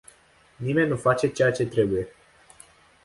Nimeni nu face ceea ce trebuie.